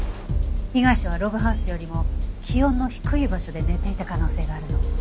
被害者はログハウスよりも気温の低い場所で寝ていた可能性があるの。